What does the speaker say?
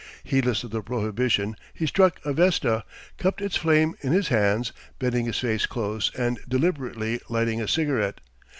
Heedless of the prohibition, he struck a vesta, cupped its flame in his hands, bending his face close and deliberately lighting a cigarette.